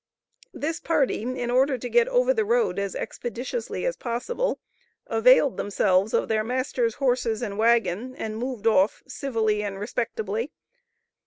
This party in order to get over the road as expeditiously as possible, availed themselves of their master's horses and wagon and moved off civilly and respectably.